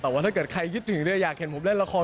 แต่ว่าถ้าเกิดใครคิดถึงเนี่ยอยากเห็นผมเล่นละคร